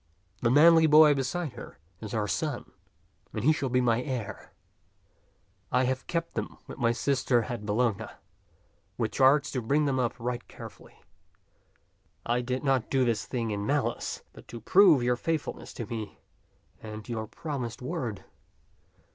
The manly boy beside her is our son, and he shall be my heir. I have kept them with my sister at Bologna, with charge to bring them up right carefully. I did not do this thing in malice, but to prove your faithfulness to me and to your promised word."